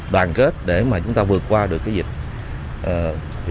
đoàn kết để mà chúng ta vượt qua được cái dịch